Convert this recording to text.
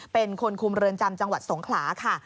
เป็นคนคุมเรือนจำจังหวัดสงขลาค่ะ